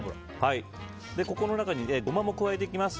ここの中にいりゴマも入れていきます。